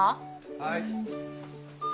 はい。